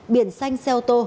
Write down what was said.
biển xanh xe ô tô